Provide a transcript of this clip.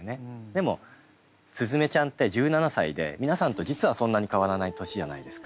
でも鈴芽ちゃんって１７歳で皆さんと実はそんなに変わらない年じゃないですか。